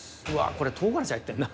これ唐辛子入ってんな